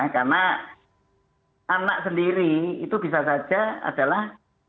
karena anak sendiri itu bisa saja adalah